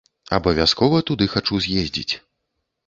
Абавязкова туды хачу з'ездзіць.